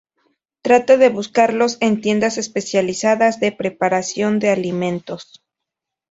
Trata de buscarlos en tiendas especializadas de preparación de alimentos.